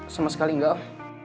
sama sekali enggak oh